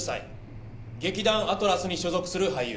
劇団アトラスに所属する俳優。